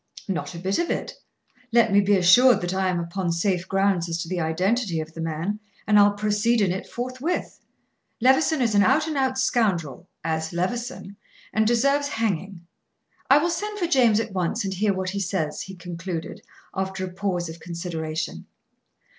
"Not a bit of it. Let me be assured that I am upon safe grounds as to the identity of the man, and I'll proceed in it forthwith. Levison is an out and out scoundrel, as Levison, and deserves hanging. I will send for James at once, and hear what he says," he concluded, after a pause of consideration.